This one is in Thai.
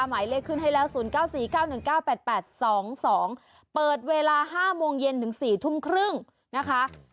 หมายเลขขึ้นให้แล้ว๐๙๔๙๑๙๘๘๒๒เปิดเวลา๕โมงเย็นถึง๔ทุ่มครึ่งนะคะ